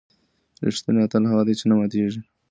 ریښتینی اتل هغه دی چې نه ماتېږي.